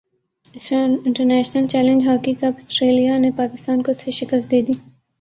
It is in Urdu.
international challenge hockey cup Australia نے پاکستان کو سے شکست دے دی